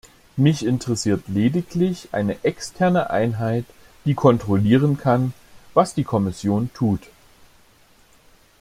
Mich interessiert lediglich eine externe Einheit, die kontrollieren kann, was die Kommission tut.